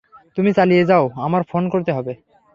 তুমি চালিয়ে যাও, আমার ফোন করতে হবে।